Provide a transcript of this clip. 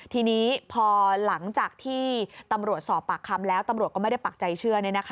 ทีนี้พอหลังจากที่ตำรวจสอบปากคำแล้วตำรวจก็ไม่ได้ปักใจเชื่อ